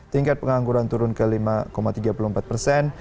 tingkat pengangguran turun ke lima tiga puluh empat persen